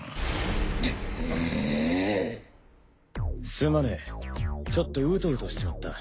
すまねえちょっとウトウトしちまった。